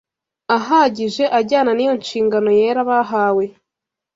ahagije ajyana n’iyo nshingano yera bahawe